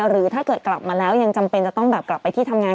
หรือถ้าเกิดกลับมาแล้วยังจำเป็นจะต้องแบบกลับไปที่ทำงาน